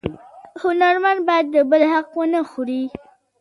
هنرمن باید د بل حق ونه خوري